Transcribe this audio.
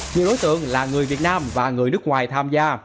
nhiều đối tượng là người việt nam và người nước ngoài tham gia